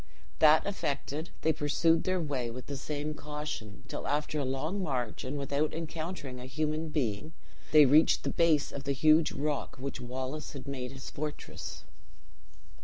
That effected, they pursued their way with the same caution, till after a long march, and without encountering a human being, they reached the base of the huge rock which Wallace had made his fortress.